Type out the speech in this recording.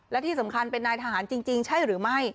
และที่สำคัญเป็นนายทหารจริงใช่หรือไม่